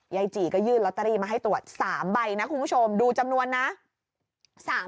จีก็ยื่นลอตเตอรี่มาให้ตรวจ๓ใบนะคุณผู้ชมดูจำนวนนะ